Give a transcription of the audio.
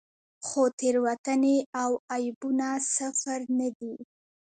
خو تېروتنې او عیبونه صفر نه دي.